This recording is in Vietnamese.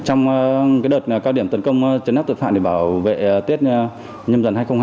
trong đợt cao điểm tấn công chấn áp tội phạm để bảo vệ tết nhâm dần hai nghìn hai mươi hai